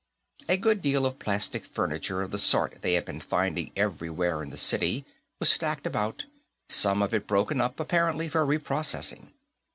A good deal of plastic furniture of the sort they had been finding everywhere in the city was stacked about, some of it broken up, apparently for reprocessing.